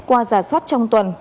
qua giả soát trong tuần